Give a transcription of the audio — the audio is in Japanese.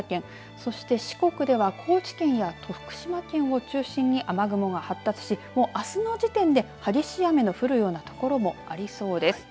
そして、四国では高知県や徳島県を中心に雨雲が発達しあすの時点で激しい雨が降るような所もありそうです。